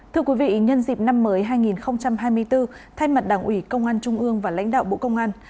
thưa quý vị nhân dịp năm mới hai nghìn hai mươi bốn thay mặt đảng ủy công an trung ương và lãnh đạo bộ công an